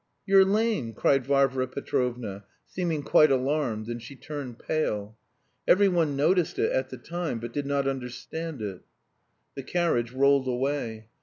You're lame!" cried Varvara Petrovna, seeming quite alarmed, and she turned pale. (Every one noticed it at the time, but did not understand it.) The carriage rolled away.